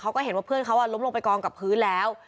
เขาก็เห็นว่าเพื่อนเขาล้มลงไปกองกับพื้นแล้ว